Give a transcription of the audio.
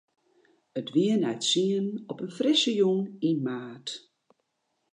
It wie nei tsienen op in frisse jûn yn maart.